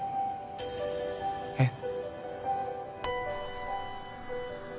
えっ？